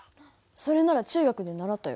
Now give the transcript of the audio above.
それなら中学で習ったよ。